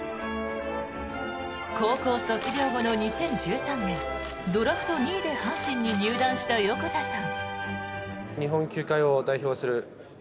高校卒業後の２０１３年ドラフト２位で阪神に入団した横田さん。